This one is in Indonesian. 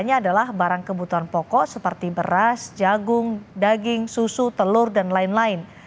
ini adalah barang kebutuhan pokok seperti beras jagung daging susu telur dan lain lain